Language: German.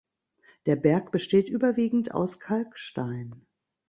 Der Berg besteht überwiegend aus Kalkstein.